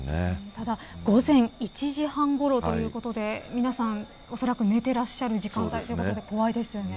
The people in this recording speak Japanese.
ただ、午前１時半ごろということで皆さん、おそらく寝ていらっしゃる時間帯ということで怖いですよね。